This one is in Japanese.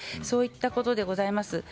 そういったことでございます。